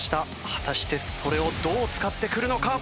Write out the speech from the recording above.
果たしてそれをどう使ってくるのか？